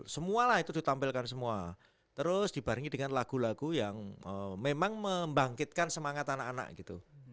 semua lah itu ditampilkan semua terus dibarengi dengan lagu lagu yang memang membangkitkan semangat anak anak gitu